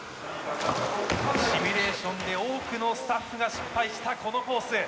シミュレーションで多くのスタッフが失敗したこのコース。